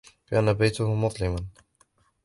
كان بيته مظلماً.